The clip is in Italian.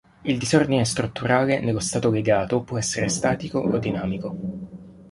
Il disordine strutturale nello stato legato può essere statico o dinamico.